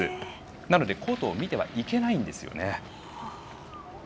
なのでコートを見てはいけないんです。